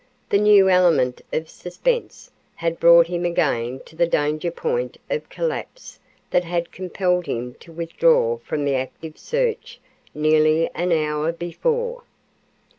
The new element of suspense had brought him again to the danger point of a collapse that had compelled him to withdraw from the active search nearly an hour before.